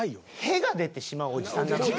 屁が出てしまうおじさんなの。